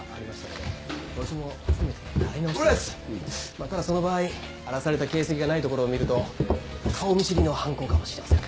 まあただその場合荒らされた形跡がないところを見ると顔見知りの犯行かもしれません。